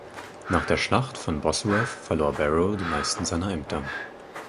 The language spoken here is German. Nach der Schlacht von Bosworth verlor Barowe die meisten seiner Ämter.